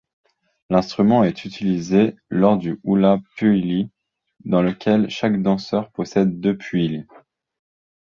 L'instrument est utilisé lors du hula pūʻili, dans lequel chaque danseur possède deux pūʻili.